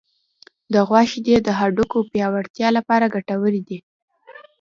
د غوا شیدې د هډوکو پیاوړتیا لپاره ګټورې دي.